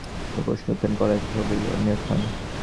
কোন প্রশ্ন উত্থাপন কর না, সে-সবই নিরর্থক।